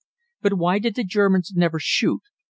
But why did the Germans never shoot?